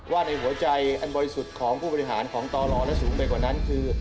ว่าในหัวใจอันบริสุทธิ์ของผู้บริหารของตลและสูงไปกว่านั้นคือ